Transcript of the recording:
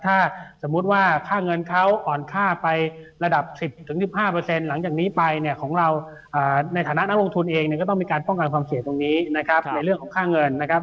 ถ้าสมมุติว่าค่าเงินเขาอ่อนค่าไประดับ๑๐๑๕หลังจากนี้ไปเนี่ยของเราในฐานะนักลงทุนเองเนี่ยก็ต้องมีการป้องกันความเสี่ยงตรงนี้นะครับในเรื่องของค่าเงินนะครับ